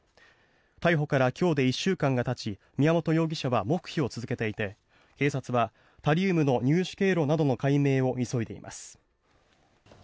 逮捕から今日で１週間がたち宮本容疑者は黙秘を続けていて警察はタリウムの入手経路などの解明を急いでいます。